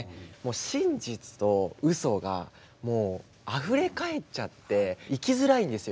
真実とウソがあふれかえっちゃって生きづらいんですよ